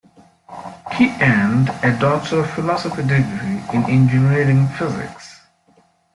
He earned a Doctor of Philosophy degree in engineering physics.